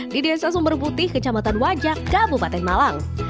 di desa sumber putih kecamatan wajak kabupaten malang